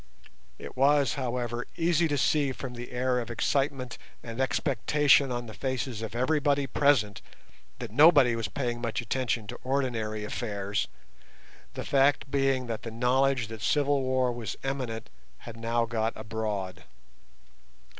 It was, however, easy to see from the air of excitement and expectation on the faces of everybody present that nobody was paying much attention to ordinary affairs, the fact being that the knowledge that civil war was imminent had now got abroad.